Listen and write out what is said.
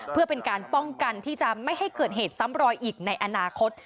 เพื่อเป็นการป้องกันที่จะไม่ให้เกิดเหตุซ้ำรอยอีกในอนาคต